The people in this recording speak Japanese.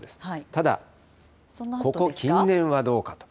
ただ、ここ近年はどうかと。